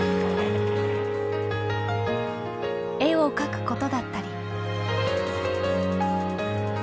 絵を描くことだったり。